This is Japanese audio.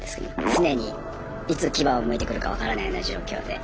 常にいつ牙をむいてくるか分からないような状況で。